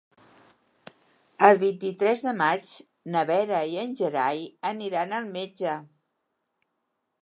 El vint-i-tres de maig na Vera i en Gerai aniran al metge.